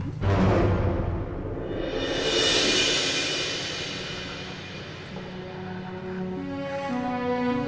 ibu keselamatan aja ya